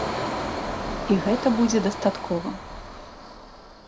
І гэта будзе дастаткова.